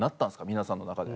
皆さんの中で。